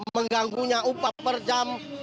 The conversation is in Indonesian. mengganggunya upah per jam